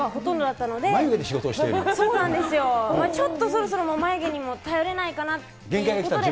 そうなんですよ、ちょっとそろそろ眉毛にも頼れないかなっていうことで。